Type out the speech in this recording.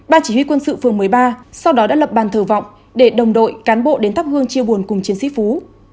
ban chỉ huy quân sự phường một mươi ba sau đó đã lập bàn thờ vọng để đồng đội cán bộ đến thắp hương chia buồn cùng chiến sĩ phú